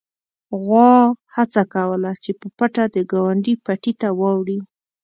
غوا هڅه کوله چې په پټه د ګاونډي پټي ته واوړي.